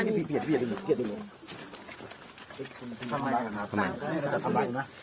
นี่คุณทำร้ายทำร้ายนะ